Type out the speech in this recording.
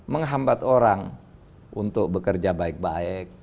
menghambat orang untuk bekerja baik baik